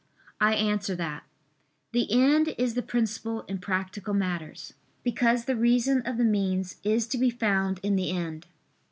I answer that, The end is the principle in practical matters: because the reason of the means is to be found in the end.